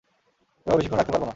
এভাবে বেশিক্ষণ রাখতে পারব না।